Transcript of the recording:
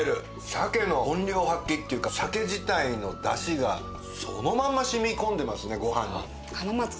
鮭の本領発揮っていうか鮭自体のダシがそのまま染み込んでますねご飯に。